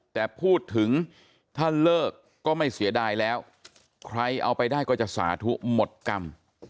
แต่พูดถึงถ้าเลิกก็ไม่เสียดายแล้วใครเอาไปได้ก็จะสาธุหมดกรรม